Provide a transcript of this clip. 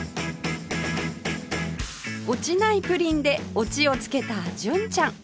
落ちないプリンでオチをつけた純ちゃん